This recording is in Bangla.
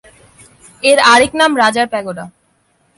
এর আরেক নাম রাজার প্যাগোডা।